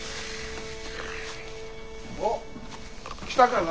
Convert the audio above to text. おっ来たかな？